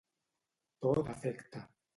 To d'efecte: